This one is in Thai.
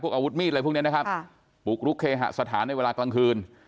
อาวุธมีดอะไรพวกนี้นะครับบุกรุกเคหสถานในเวลากลางคืน